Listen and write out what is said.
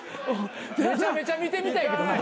めちゃめちゃ見てみたいけどな。